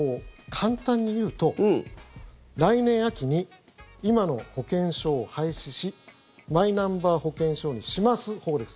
簡単に言うと来年秋に今の保険証を廃止しマイナンバー保険証にします法です。